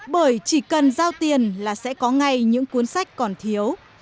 bởi chỉ cần giao tiền là sẽ có ngay những cuốn sách còn thiếu